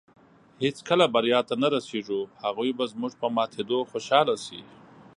هېڅکله بریا ته نۀ رسېږو. هغوی به زموږ په ماتېدو خوشحاله شي